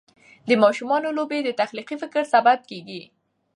د ماشومانو لوبې د تخلیقي فکر سبب کېږي.